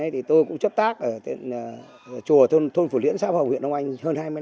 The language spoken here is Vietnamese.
thì tôi cũng chấp tác ở chùa thôn phủ liễn sáp hồng huyện đông anh hơn hai mươi năm nay